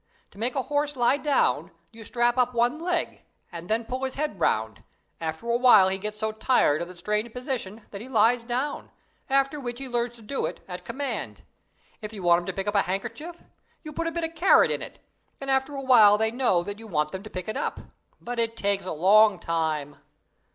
To make a horse lie down, you strap up one leg, and then pull his head round; after a while he gets so tired of the strained position that he lies down, after which he learns to do it at command. If you want him to pick up a handkerchief, you put a bit of carrot in it, and after a while they know that you want them to pick it up but it takes a long time.